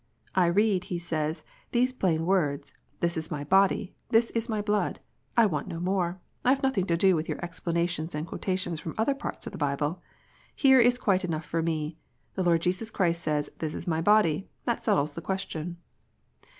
"I read," he says, "these plain words, This is My body this is My blood. I want no more, I have nothing to do with your explanations and quotations from other parts of the Bible. Here is quite enough for me. The Lord Jesus Christ says, < This is My body. This settles the question."